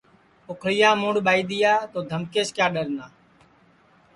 اُکھݪِیام موڈؔ تو دھمکیس کِیا ڈؔنا